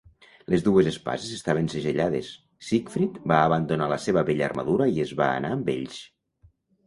Les dues espases estaven segellades, Siegfried va abandonar la seva vella armadura i es va anar amb ells.